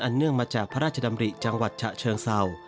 เนื่องมาจากพระราชดำริจังหวัดฉะเชิงเศร้า